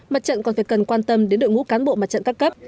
mặt trận còn phải cần quan tâm đến đội ngũ cán bộ mặt trận các cấp